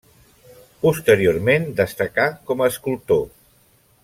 Posteriorment destacà com a escultor.